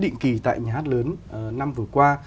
định kỳ tại nhà hát lớn năm vừa qua